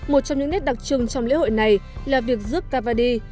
một trong những nét đặc trưng trong lễ hội này là việc rước kavadi